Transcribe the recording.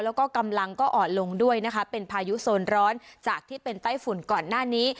แล้วก็กำลังก็อ่อนลงด้วยนะคะเป็นพายุโซนร้อนจากที่เป็นไต้ฝุ่นก่อนหน้านี้